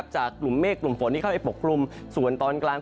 จากกลุ่มเมฆกลุ่มฝนที่เข้าไปปกคลุมส่วนตอนกลาง